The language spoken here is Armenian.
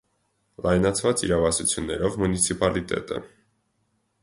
Լայնացված իրավասաություններով մունիցիապլիտետ է։